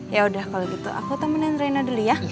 yaudah kalo gitu aku tambahin reno dulu ya